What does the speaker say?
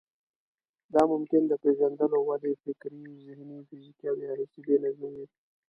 دا ممکن د پېژندلو، ودې، فکري، ذهني، فزيکي او يا حسي بې نظمي وي.